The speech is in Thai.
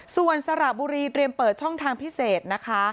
ส่วนสระบุรีเตรียมเปิดช่องทางพิเศษนะคะ